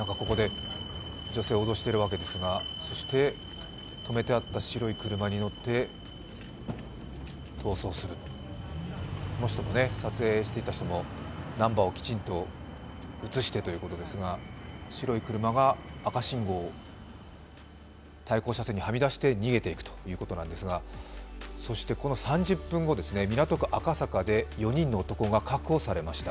ここで女性を脅しているわけですがそしてとめてあった白い車に乗って逃走する、この人も撮影していた人もナンバーをきちんと映してということですが白い車が赤信号を、対向車線にはみ出して逃げていくということなんですが、この３０分後、港区赤坂で４人の男が確保されました。